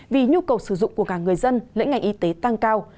vì nhu cầu sử dụng của các người dân lãnh ngành y tế tăng cao